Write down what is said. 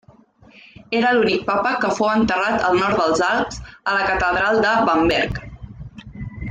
Era l'únic papa que fou enterrat al nord dels Alps, a la catedral de Bamberg.